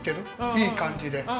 いい感じで。